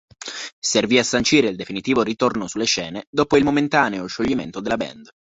Servì a sancire il definitivo ritorno sulle scene, dopo il momentaneo scioglimento della band.